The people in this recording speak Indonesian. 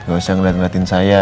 gak usah ngeliat ngeliatin saya